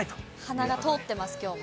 鼻が通ってます、きょうも。